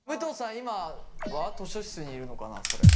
今は図書室にいるのかなそれ。